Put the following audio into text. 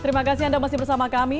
terima kasih anda masih bersama kami